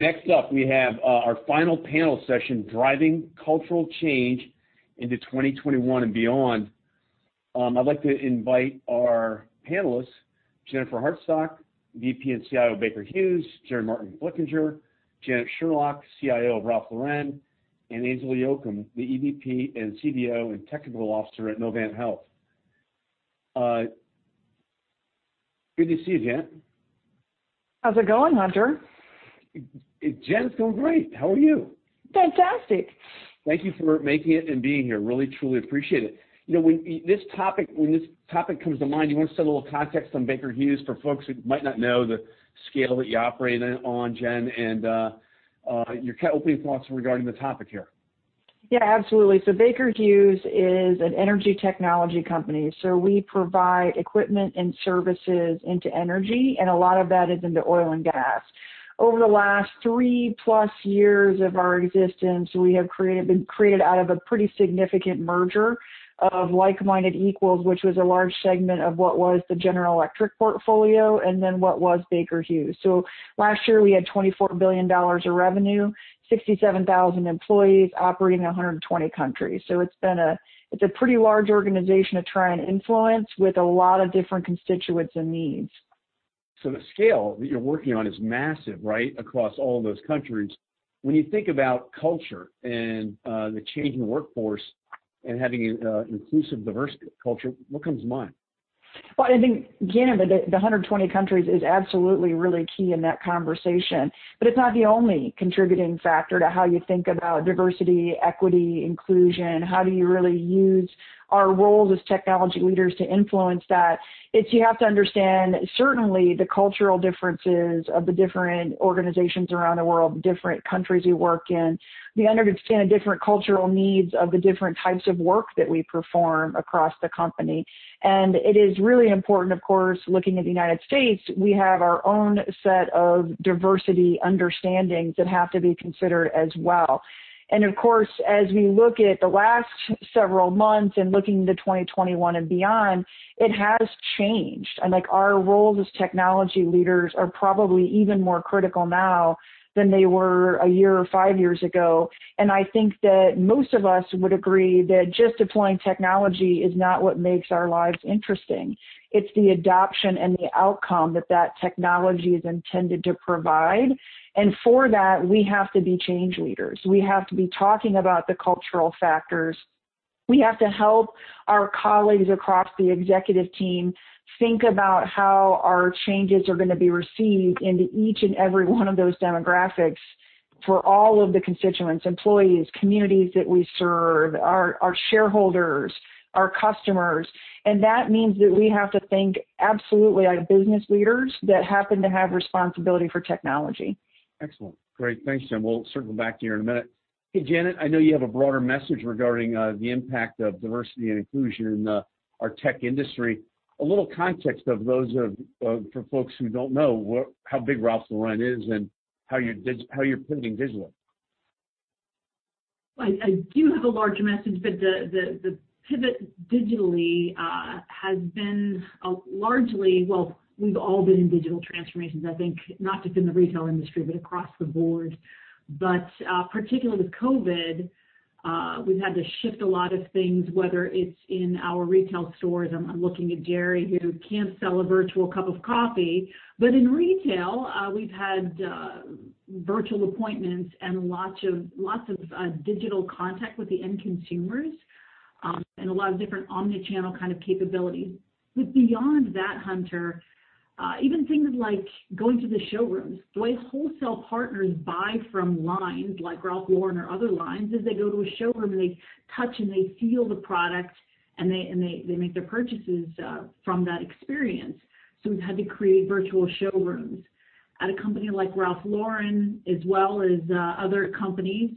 Next up, we have our final panel session, Driving Cultural Change into 2021 and Beyond. I'd like to invite our panelists, Jennifer Hartsock, VP and CIO of Baker Hughes, Gerri Martin-Flickinger, Janet Sherlock, CIO of Ralph Lauren, and Angela Yochem, the EVP and CDO and Technical Officer at Novant Health. Good to see you, Jen. How's it going, Hunter? Jen, it's going great. How are you? Fantastic. Thank you for making it and being here. Really, truly appreciate it. When this topic comes to mind, you want to set a little context on Baker Hughes for folks who might not know the scale that you operate on, Jen, and your opening thoughts regarding the topic here. Yeah, absolutely. Baker Hughes is an energy technology company, so we provide equipment and services into energy, and a lot of that is into oil and gas. Over the last three-plus years of our existence, we have been created out of a pretty significant merger of like-minded equals, which was a large segment of what was the General Electric portfolio and then what was Baker Hughes. Last year, we had $24 billion of revenue, 67,000 employees operating in 120 countries. It's a pretty large organization to try and influence with a lot of different constituents and needs. The scale that you're working on is massive, right, across all those countries. When you think about culture and the changing workforce and having an inclusive, diverse culture, what comes to mind? Well, I think, again, the 120 countries is absolutely really key in that conversation, but it's not the only contributing factor to how you think about diversity, equity, inclusion. How do you really use our roles as technology leaders to influence that? It's you have to understand, certainly, the cultural differences of the different organizations around the world, the different countries we work in. We understand the different cultural needs of the different types of work that we perform across the company, and it is really important, of course, looking at the United States, we have our own set of diversity understandings that have to be considered as well. Of course, as we look at the last several months and looking to 2021 and beyond, it has changed. Our roles as technology leaders are probably even more critical now than they were a year or five years ago. I think that most of us would agree that just deploying technology is not what makes our lives interesting. It's the adoption and the outcome that that technology is intended to provide. For that, we have to be change leaders. We have to be talking about the cultural factors. We have to help our colleagues across the executive team think about how our changes are going to be received into each and every one of those demographics for all of the constituents, employees, communities that we serve, our shareholders, our customers. That means that we have to think absolutely like business leaders that happen to have responsibility for technology. Excellent. Great. Thanks, Jen. We'll circle back to you in a minute. Hey, Janet, I know you have a broader message regarding the impact of diversity and inclusion in our tech industry. A little context for folks who don't know how big Ralph Lauren is and how you're pivoting digitally. I do have a larger message, the pivot digitally has been largely, well, we've all been in digital transformations, I think not just in the retail industry, but across the board. Particularly with COVID, we've had to shift a lot of things, whether it's in our retail stores. I'm looking at Gerri, who can't sell a virtual cup of coffee. In retail, we've had virtual appointments and lots of digital contact with the end consumers, and a lot of different omni-channel kind of capabilities. Beyond that, Hunter, even things like going to the showrooms. The way wholesale partners buy from lines like Ralph Lauren or other lines is they go to a showroom, and they touch and they feel the product, and they make their purchases from that experience. We've had to create virtual showrooms. At a company like Ralph Lauren, as well as other companies,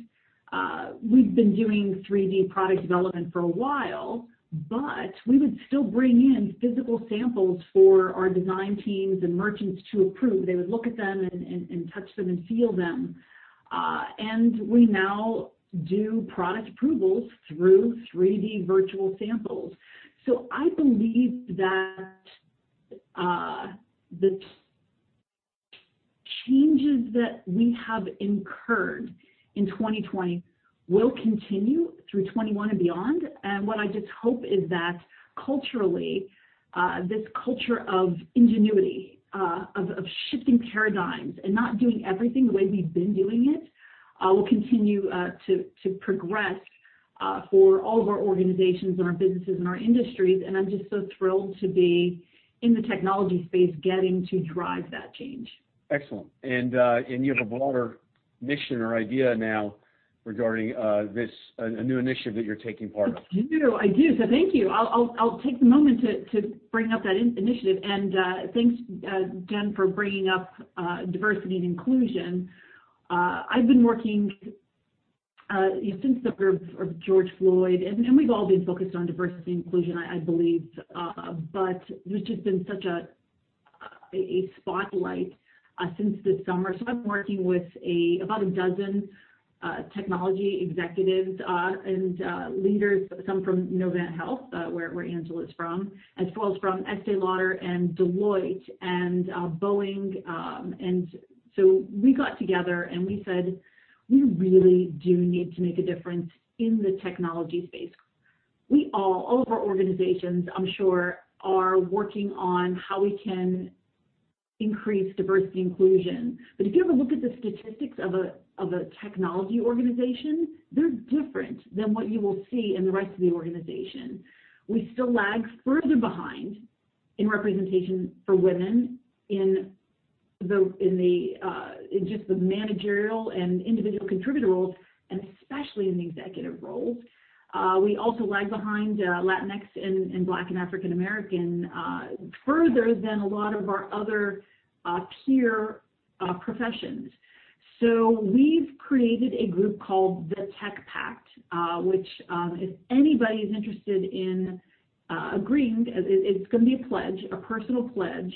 we've been doing 3D product development for a while, but we would still bring in physical samples for our design teams and merchants to approve. They would look at them and touch them and feel them. We now do product approvals through 3D virtual samples. I believe that the changes that we have incurred in 2020 will continue through 2021 and beyond. What I just hope is that culturally, this culture of ingenuity, of shifting paradigms, and not doing everything the way we've been doing it, will continue to progress for all of our organizations and our businesses and our industries. I'm just so thrilled to be in the technology space, getting to drive that change. Excellent. You have a broader mission or idea now regarding a new initiative that you're taking part of. Thank you. I'll take the moment to bring up that initiative. Thanks, Jen, for bringing up diversity and inclusion. We've all been focused on diversity and inclusion, I believe, there's just been such a spotlight since this summer. I'm working with about 12 technology executives and leaders, some from Novant Health, where Angela is from, as well as from Estée Lauder, Deloitte and Boeing. We got together, and we said, "We really do need to make a difference in the technology space." We all, our organizations, I'm sure, are working on how we can increase diversity inclusion. If you ever look at the statistics of a technology organization, they're different than what you will see in the rest of the organization. We still lag further behind in representation for women in just the managerial and individual contributor roles, and especially in the executive roles. We also lag behind Latinx and Black and African American further than a lot of our other peer professions. We've created a group called the Tech Pact, which, if anybody's interested in agreeing, it's going to be a pledge, a personal pledge,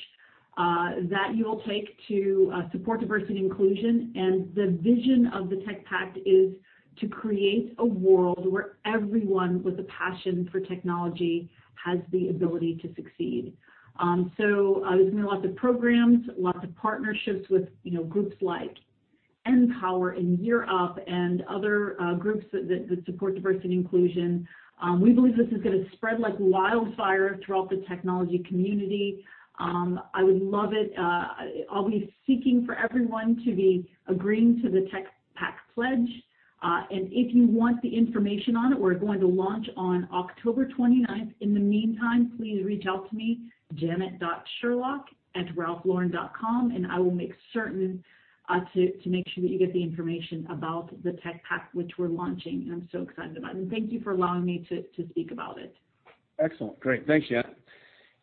that you'll take to support diversity and inclusion. The vision of the Tech Pact is to create a world where everyone with a passion for technology has the ability to succeed. There's going to be lots of programs, lots of partnerships with groups like NPower and Year Up and other groups that support diversity and inclusion. We believe this is going to spread like wildfire throughout the technology community. I would love it. I'll be seeking for everyone to be agreeing to the Tech Pact pledge. If you want the information on it, we're going to launch on October 29th. In the meantime, please reach out to me, janet.sherlock@ralphlauren.com, and I will make certain to make sure that you get the information about the Tech Pact, which we're launching. I'm so excited about it. Thank you for allowing me to speak about it. Excellent. Great. Thanks, Janet.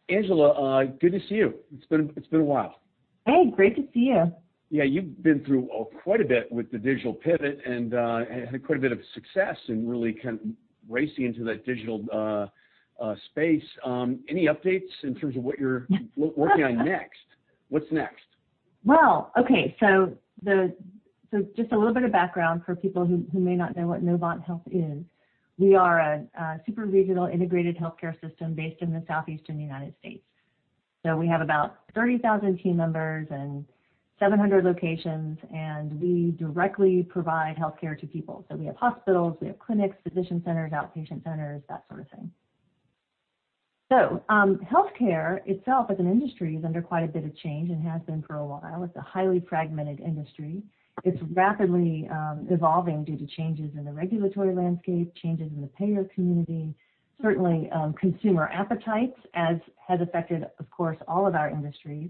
Angela, good to see you. It's been a while. Hey, great to see you. Yeah, you've been through quite a bit with the digital pivot and had quite a bit of success in really racing into that digital space. Any updates in terms of what you're working on next? What's next? Okay. Just a little bit of background for people who may not know what Novant Health is. We are a super regional integrated healthcare system based in the Southeastern U.S. We have about 30,000 team members and 700 locations, and we directly provide healthcare to people. We have hospitals, we have clinics, physician centers, outpatient centers, that sort of thing. Healthcare itself as an industry is under quite a bit of change and has been for a while. It's a highly fragmented industry. It's rapidly evolving due to changes in the regulatory landscape, changes in the payer community, certainly consumer appetites, as has affected, of course, all of our industries.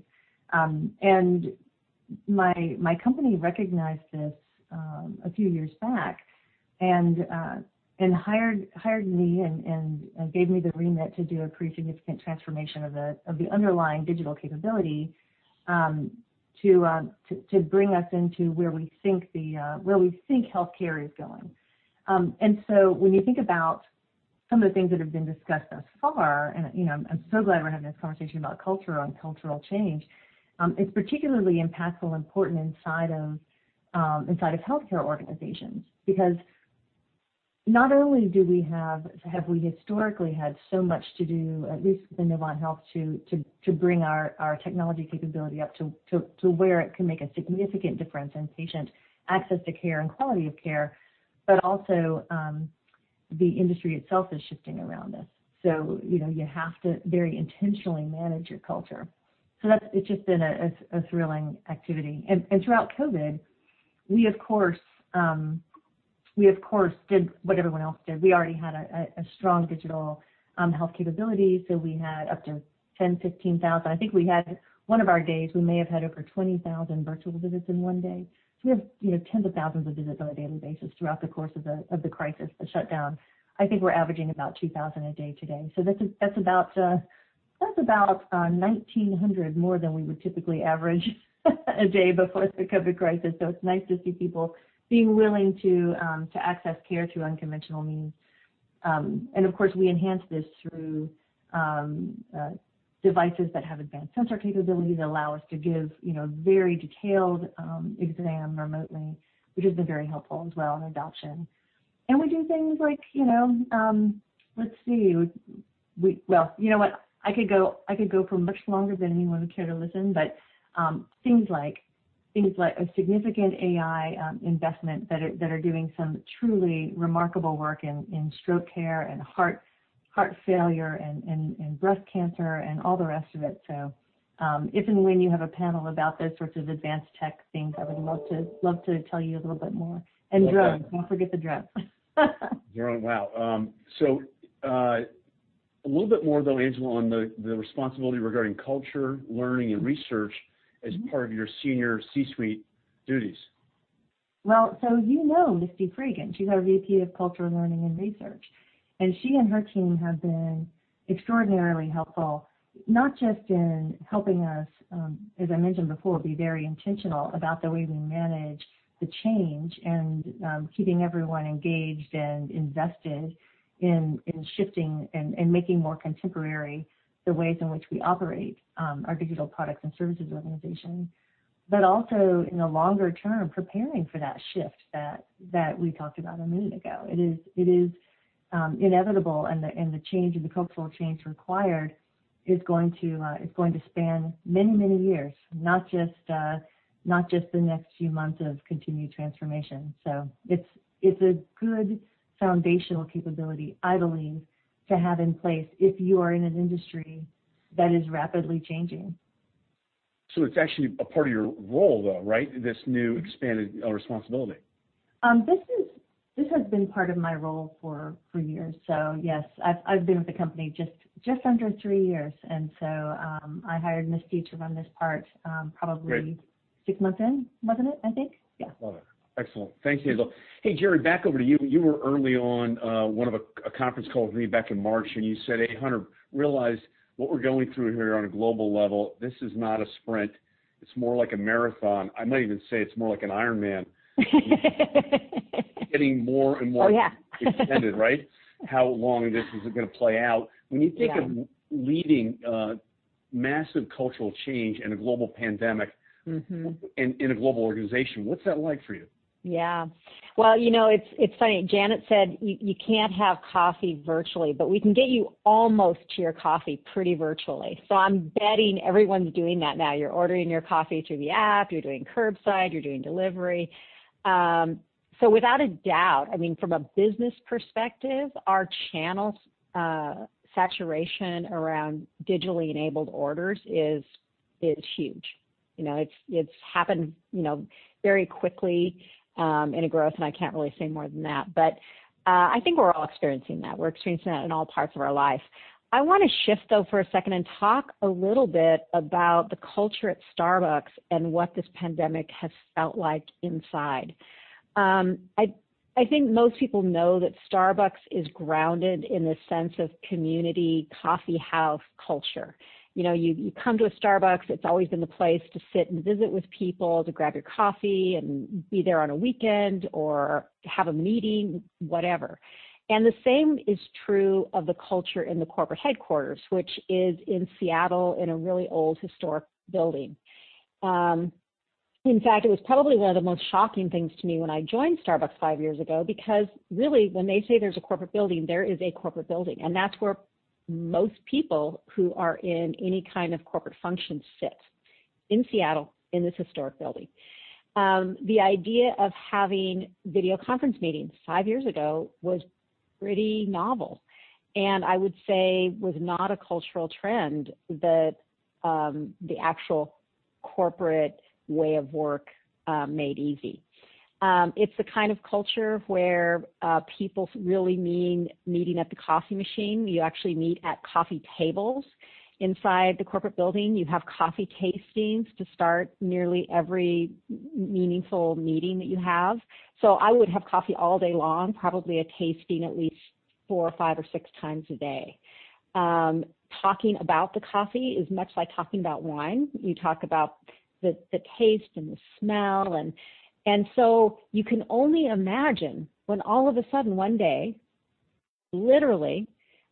My company recognized this a few years back and hired me and gave me the remit to do a pretty significant transformation of the underlying digital capability to bring us into where we think healthcare is going. When you think about some of the things that have been discussed thus far, and I'm so glad we're having this conversation about culture and cultural change, it's particularly impactful, important inside of healthcare organizations. Because not only do we have historically had so much to do, at least within Novant Health, to bring our technology capability up to where it can make a significant difference in patient access to care and quality of care, but also, the industry itself is shifting around us. You have to very intentionally manage your culture. That's, it's just been a thrilling activity. Throughout COVID, we, of course, did what everyone else did. We already had a strong digital health capability. We had up to 10,000, 15,000. I think we had, one of our days, we may have had over 20,000 virtual visits in one day. We have tens of thousands of visits on a daily basis throughout the course of the crisis, the shutdown. I think we're averaging about 2,000 a day today. That's about 1,900 more than we would typically average a day before the COVID crisis. It's nice to see people being willing to access care through unconventional means. Of course, we enhance this through devices that have advanced sensor capabilities that allow us to give very detailed exam remotely, which has been very helpful as well in adoption. We do things like, let's see. Well, you know what? I could go for much longer than anyone would care to listen, things like a significant AI investment that are doing some truly remarkable work in stroke care and heart failure and breast cancer and all the rest of it. If and when you have a panel about those sorts of advanced tech things, I would love to tell you a little bit more. Drugs. Don't forget the drugs. Wow. A little bit more though, Angela, on the responsibility regarding culture, learning, and research as part of your senior C-suite duties. You know Misty Reagan. She's our VP of culture, learning, and research. She and her team have been extraordinarily helpful, not just in helping us, as I mentioned before, be very intentional about the way we manage the change and keeping everyone engaged and invested in shifting and making more contemporary the ways in which we operate our digital products and services organization. Also in the longer term, preparing for that shift that we talked about a minute ago. It is inevitable, the cultural change required is going to span many years, not just the next few months of continued transformation. It's a good foundational capability, I believe, to have in place if you are in an industry that is rapidly changing. It's actually a part of your role, though, right? This new expanded responsibility. This has been part of my role for years. Yes, I've been with the company just under three years. I hired Misty to run this part. Great. Six months in, wasn't it? I think. Yeah. Love it. Excellent. Thanks, Angela. Hey, Gerri, back over to you. You were early on one of a conference call with me back in March, and you said, "Hey, Hunter, realize what we're going through here on a global level, this is not a sprint. It's more like a marathon." I might even say it's more like an Ironman. Oh, yeah. It is more and more extended, right? How long this is going to play out. Yeah. When you think of leading massive cultural change in a global pandemic in a global organization, what's that like for you? Well, it's funny. Janet said you can't have coffee virtually, but we can get you almost to your coffee pretty virtually. I'm betting everyone's doing that now. You're ordering your coffee through the app, you're doing curbside, you're doing delivery. Without a doubt, from a business perspective, our channel saturation around digitally enabled orders is huge. It's happened very quickly in a growth, and I can't really say more than that. I think we're all experiencing that. We're experiencing that in all parts of our life. I want to shift, though, for a second and talk a little bit about the culture at Starbucks and what this pandemic has felt like inside. I think most people know that Starbucks is grounded in this sense of community coffee house culture. You come to a Starbucks, it's always been the place to sit and visit with people, to grab your coffee and be there on a weekend or have a meeting, whatever. The same is true of the culture in the corporate headquarters, which is in Seattle in a really old historic building. In fact, it was probably one of the most shocking things to me when I joined Starbucks five years ago, because really, when they say there's a corporate building, there is a corporate building. That's where most people who are in any kind of corporate function sit, in Seattle, in this historic building. The idea of having video conference meetings five years ago was pretty novel, and I would say was not a cultural trend that the actual corporate way of work made easy. It's the kind of culture where people really mean meeting at the coffee machine. You actually meet at coffee tables inside the corporate building. You have coffee tastings to start nearly every meaningful meeting that you have. I would have coffee all day long, probably a tasting at least four or five or six times a day. Talking about the coffee is much like talking about wine. You talk about the taste and the smell. You can only imagine when all of a sudden one day, literally,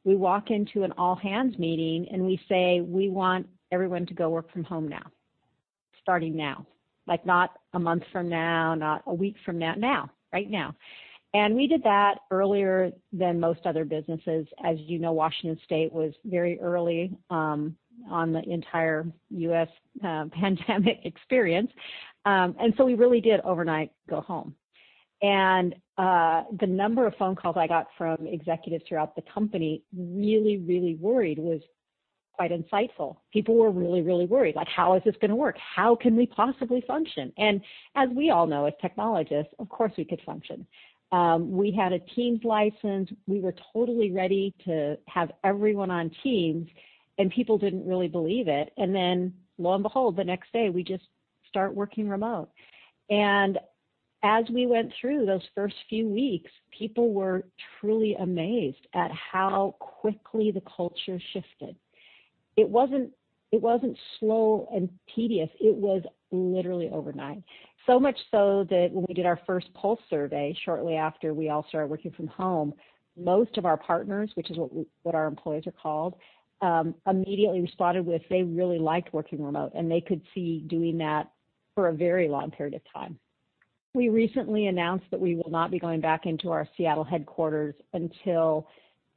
we walk into an all-hands meeting, and we say, "We want everyone to go work from home now. Starting now." Not a month from now, not a week from now. Now. Right now. We did that earlier than most other businesses. As you know, Washington State was very early on the entire U.S. pandemic experience. We really did overnight go home. The number of phone calls I got from executives throughout the company, really worried, was quite insightful. People were really worried, like, "How is this going to work? How can we possibly function." As we all know, as technologists, of course, we could function. We had a Teams license. We were totally ready to have everyone on Teams, and people didn't really believe it. Lo and behold, the next day, we just start working remote. As we went through those first few weeks, people were truly amazed at how quickly the culture shifted. It wasn't slow and tedious. It was literally overnight. Much so that when we did our first pulse survey shortly after we all started working from home, most of our partners, which is what our employees are called, immediately responded with they really liked working remote, and they could see doing that for a very long period of time. We recently announced that we will not be going back into our Seattle headquarters until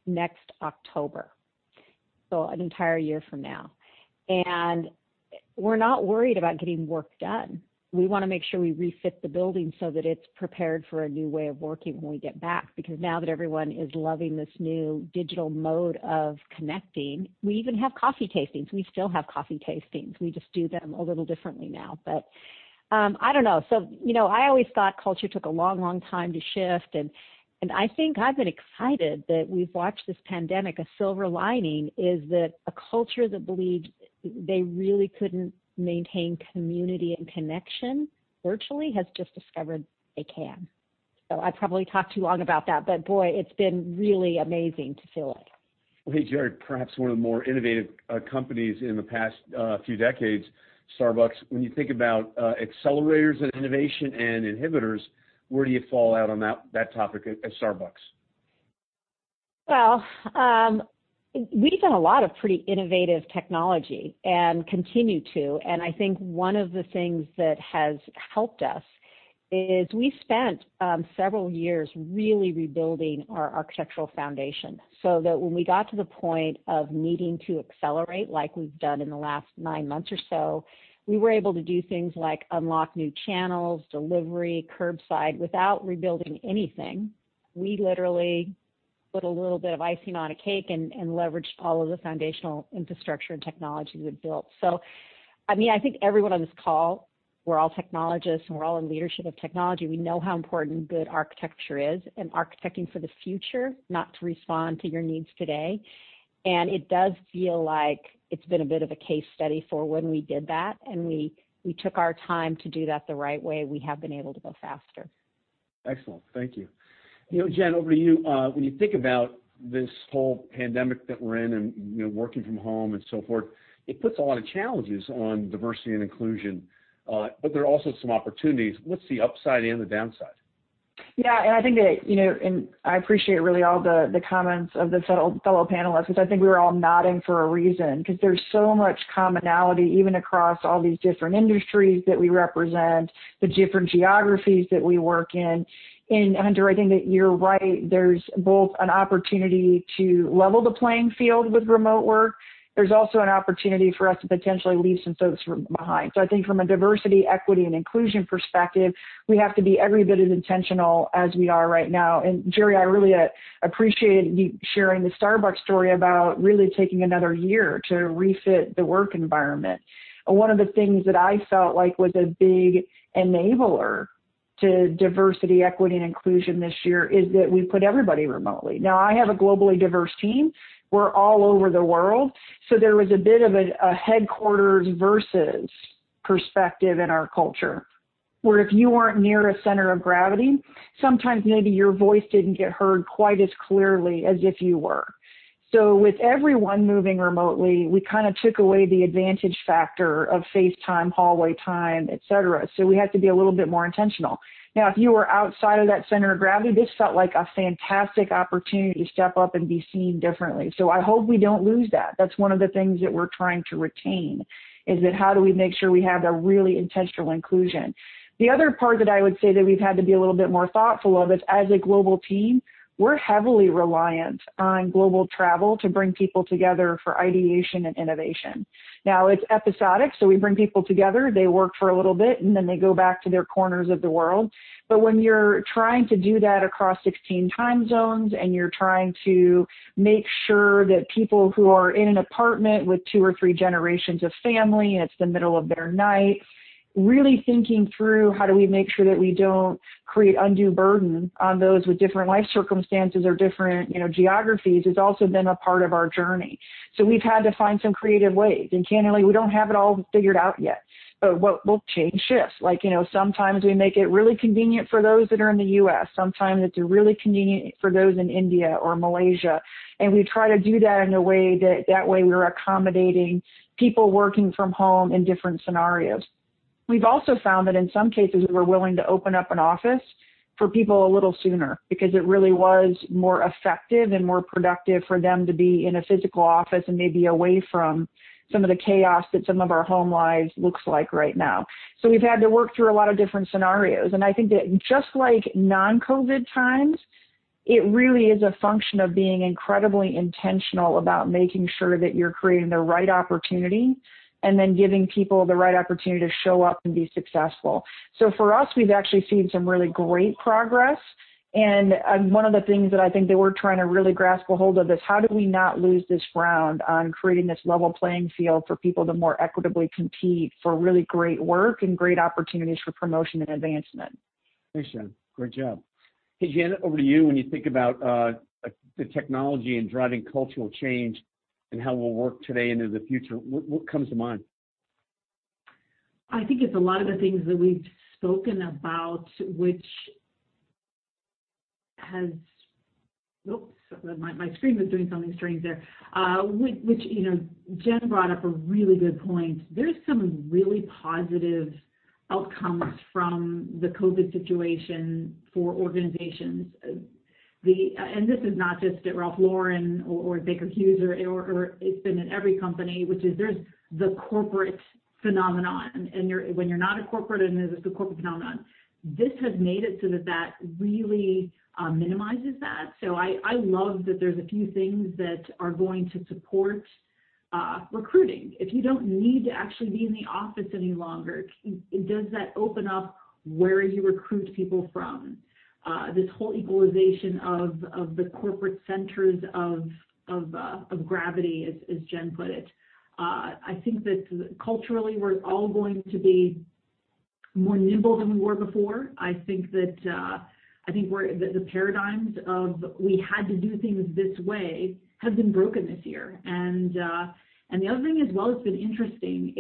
next October, so an entire year from now. We're not worried about getting work done. We want to make sure we refit the building so that it's prepared for a new way of working when we get back, because now that everyone is loving this new digital mode of connecting, we even have coffee tastings. We still have coffee tastings. We just do them a little differently now. I don't know. I always thought culture took a long, long time to shift, and I think I've been excited that we've watched this pandemic. A silver lining is that a culture that believed they really couldn't maintain community and connection virtually has just discovered they can. I probably talked too long about that, but boy, it's been really amazing to feel it. Hey, Gerri, perhaps one of the more innovative companies in the past few decades, Starbucks. When you think about accelerators of innovation and inhibitors, where do you fall out on that topic at Starbucks? Well, we've done a lot of pretty innovative technology and continue to, and I think one of the things that has helped us is we spent several years really rebuilding our architectural foundation so that when we got to the point of needing to accelerate like we've done in the last nine months or so, we were able to do things like unlock new channels, delivery, curbside, without rebuilding anything. We literally put a little bit of icing on a cake and leveraged all of the foundational infrastructure and technology we'd built. I think everyone on this call, we're all technologists, and we're all in leadership of technology. We know how important good architecture is and architecting for the future, not to respond to your needs today. It does feel like it's been a bit of a case study for when we did that, and we took our time to do that the right way. We have been able to go faster. Excellent. Thank you. Jen, over to you. When you think about this whole pandemic that we're in and working from home and so forth, it puts a lot of challenges on diversity and inclusion. There are also some opportunities. What's the upside and the downside? Yeah, I appreciate really all the comments of the fellow panelists, because I think we were all nodding for a reason, because there's so much commonality, even across all these different industries that we represent, the different geographies that we work in. Hunter, I think that you're right. There's both an opportunity to level the playing field with remote work. There's also an opportunity for us to potentially leave some folks behind. I think from a diversity, equity, and inclusion perspective, we have to be every bit as intentional as we are right now. Gerri, I really appreciate you sharing the Starbucks story about really taking another year to refit the work environment. One of the things that I felt like was a big enabler to diversity, equity, and inclusion this year is that we put everybody remotely. Now, I have a globally diverse team. We're all over the world. There was a bit of a headquarters perspective in our culture, where if you weren't near a center of gravity, sometimes maybe your voice didn't get heard quite as clearly as if you were. With everyone moving remotely, we took away the advantage factor of face time, hallway time, et cetera. We had to be a little bit more intentional. Now, if you were outside of that center of gravity, this felt like a fantastic opportunity to step up and be seen differently. I hope we don't lose that. That's one of the things that we're trying to retain, is that how do we make sure we have a really intentional inclusion? The other part that I would say that we've had to be a little bit more thoughtful of is, as a global team, we're heavily reliant on global travel to bring people together for ideation and innovation. Now, it's episodic, so we bring people together, they work for a little bit, and then they go back to their corners of the world. When you're trying to do that across 16 time zones, and you're trying to make sure that people who are in an apartment with two or three generations of family, and it's the middle of their night, really thinking through how do we make sure that we don't create undue burden on those with different life circumstances or different geographies has also been a part of our journey. We've had to find some creative ways. Candidly, we don't have it all figured out yet. We'll change shifts. Sometimes we make it really convenient for those that are in the U.S. Sometimes it's really convenient for those in India or Malaysia, and we try to do that in a way that we're accommodating people working from home in different scenarios. We've also found that in some cases, we're willing to open up an office for people a little sooner because it really was more effective and more productive for them to be in a physical office and maybe away from some of the chaos that some of our home lives looks like right now. We've had to work through a lot of different scenarios, and I think that just like non-COVID times, it really is a function of being incredibly intentional about making sure that you're creating the right opportunity and then giving people the right opportunity to show up and be successful. For us, we've actually seen some really great progress, and one of the things that I think that we're trying to really grasp a hold of is how do we not lose this ground on creating this level playing field for people to more equitably compete for really great work and great opportunities for promotion and advancement? Thanks, Jen. Great job. Hey, Janet, over to you. When you think about the technology in driving cultural change and how we'll work today and into the future, what comes to mind? I think it's a lot of the things that we've spoken about. Oops. My screen was doing something strange there. Jen brought up a really good point. There's some really positive outcomes from the COVID situation for organizations. This is not just at Ralph Lauren or Baker Hughes, or it's been in every company, which is there's the corporate phenomenon, and when you're not a corporate, and there's this corporate phenomenon. This has made it so that really minimizes that. I love that there's a few things that are going to support recruiting. If you don't need to actually be in the office any longer, does that open up where you recruit people from? This whole equalization of the corporate centers of gravity, as Jen put it. I think that culturally, we're all going to be more nimble than we were before. I think that the paradigms of we had to do things this way have been broken this year. The other thing as well that's been interesting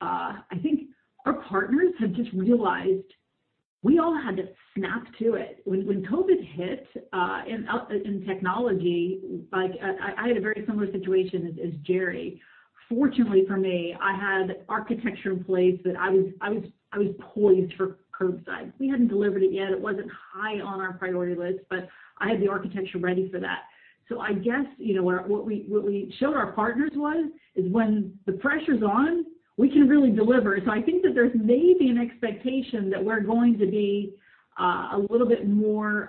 I think our partners have just realized we all had to snap to it. When COVID hit, in technology, I had a very similar situation as Gerri. Fortunately for me, I had architecture in place that I was poised for curbside. We hadn't delivered it yet. It wasn't high on our priority list, but I had the architecture ready for that. I guess, what we showed our partners was, is when the pressure's on, we can really deliver. I think that there's maybe an expectation that we're going to be a little bit more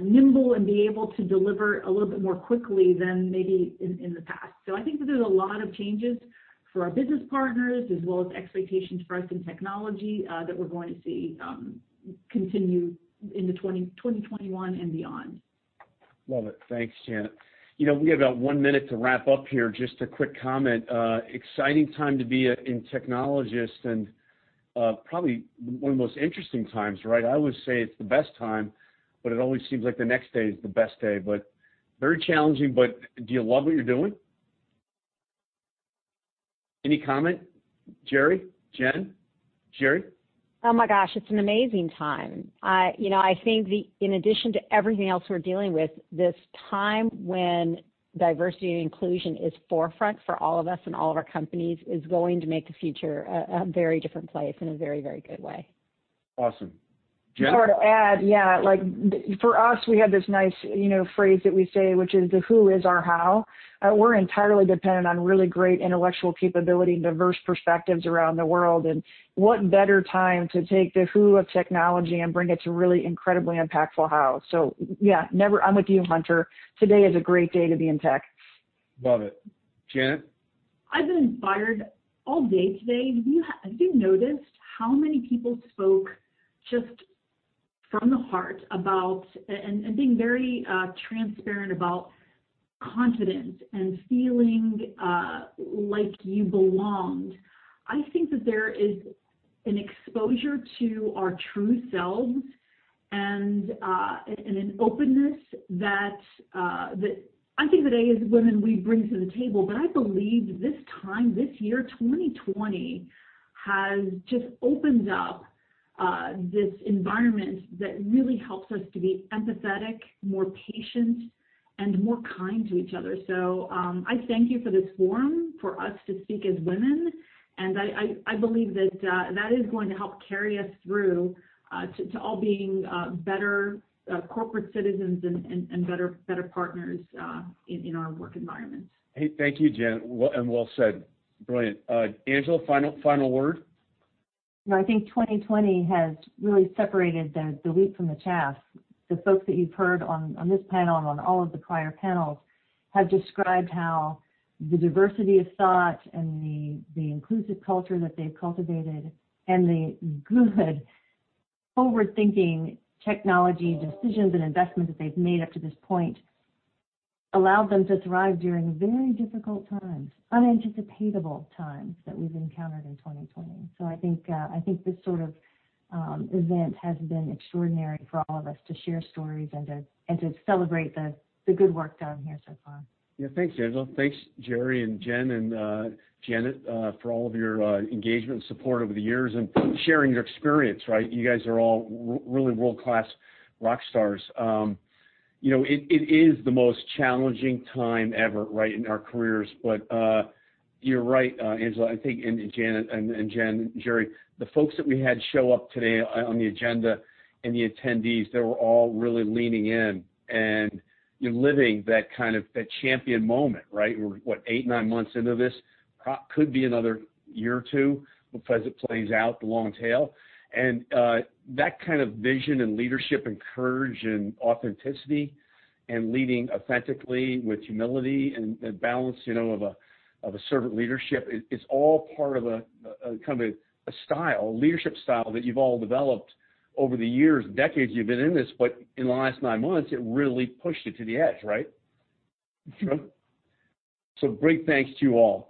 nimble and be able to deliver a little bit more quickly than maybe in the past. I think that there's a lot of changes for our business partners, as well as expectations for us in technology, that we're going to see continue into 2021 and beyond. Love it. Thanks, Janet. We have about one minute to wrap up here. Just a quick comment. Exciting time to be in technologist and probably one of the most interesting times, right? I always say it's the best time, but it always seems like the next day is the best day. Very challenging, but do you love what you're doing? Any comment? Gerri? Jen? Gerri? Oh my gosh, it's an amazing time. I think in addition to everything else we're dealing with, this time when diversity and inclusion is forefront for all of us and all of our companies, is going to make the future a very different place in a very good way. Awesome. Jen? Sort of add, yeah, for us, we have this nice phrase that we say, which is the who is our how. We're entirely dependent on really great intellectual capability and diverse perspectives around the world, and what better time to take the who of technology and bring it to really incredibly impactful hows. Yeah, I'm with you, Hunter. Today is a great day to be in tech. Love it. Janet? I've been inspired all day today. Have you noticed how many people spoke just from the heart about, and being very transparent about confidence and feeling like you belonged. I think that there is an exposure to our true selves and an openness that I think that as women we bring to the table. I believe this time, this year, 2020, has just opened up this environment that really helps us to be empathetic, more patient, and more kind to each other. I thank you for this forum, for us to speak as women, and I believe that is going to help carry us through to all being better corporate citizens and better partners in our work environments. Hey, thank you, Janet, and well said. Brilliant. Angela, final word? No, I think 2020 has really separated the wheat from the chaff. The folks that you've heard on this panel and on all of the prior panels have described how the diversity of thought and the inclusive culture that they've cultivated and the good forward-thinking technology decisions and investments that they've made up to this point allowed them to thrive during very difficult times, unanticipatable times that we've encountered in 2020. I think this sort of event has been extraordinary for all of us to share stories and to celebrate the good work done here so far. Yeah. Thanks, Angela. Thanks Gerri and Jen and Janet, for all of your engagement and support over the years and sharing your experience, right? You guys are all really world-class rock stars. It is the most challenging time ever, right, in our careers. You're right, Angela, I think, and Janet and Jen, Gerri, the folks that we had show up today on the agenda and the attendees, they were all really leaning in and you're living that kind of that champion moment, right? We're what, eight, nine months into this? Could be another year or two as it plays out the long tail. That kind of vision and leadership and courage and authenticity and leading authentically with humility and balance of a servant leadership is all part of a kind of a style, a leadership style that you've all developed over the years, decades you've been in this, but in the last nine months, it really pushed it to the edge, right? Great thanks to you all.